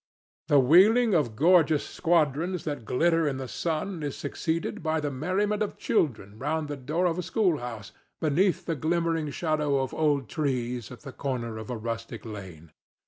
The wheeling of gorgeous squadrons that glitter in the sun is succeeded by the merriment of children round the door of a schoolhouse beneath the glimmering shadow of old trees at the corner of a rustic lane.